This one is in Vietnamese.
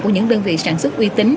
của những đơn vị sản xuất uy tín